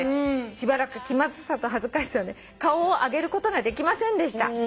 「しばらく気まずさと恥ずかしさで顔を上げることができませんでした」